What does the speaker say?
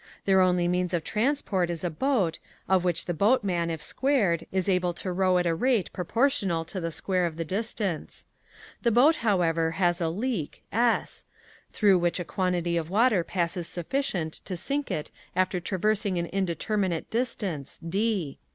Their only means of transport is a boat, of which the boatman, if squared, is able to row at a rate proportional to the square of the distance. The boat, however, has a leak (S), through which a quantity of water passes sufficient to sink it after traversing an indeterminate distance (D).